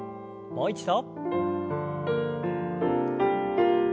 もう一度。